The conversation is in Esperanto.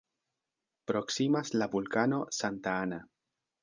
Proksimas la vulkano "Santa Ana".